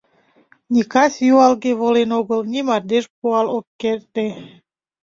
Ни кас юалге волен огыл, ни мардеж пуал ок эрте.